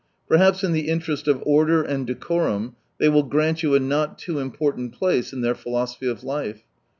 Perhaps in the interest of order and decorum they will grant you a not too important place in their philosophy of life.